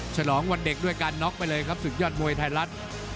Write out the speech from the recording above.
ฉลองวันเด็กด้วยการน็อกไปเลยครับศึกยอดมวยไทยรัฐ